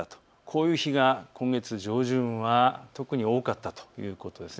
こういう日が今月上旬は特に多かったということです。